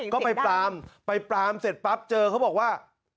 ก็ไปปรามไปปรามเสร็จปั๊บเจอเขาบอกว่า